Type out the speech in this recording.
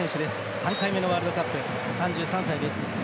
３回目のワールドカップ３３歳です。